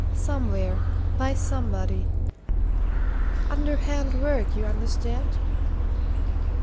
somewhere, by somebody. Underhand work, you understand?